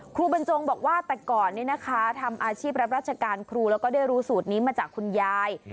บรรจงบอกว่าแต่ก่อนนี้นะคะทำอาชีพรับราชการครูแล้วก็ได้รู้สูตรนี้มาจากคุณยาย